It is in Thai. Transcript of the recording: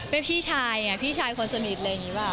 เป็นพี่ชายพี่ชายคนสนิทเลย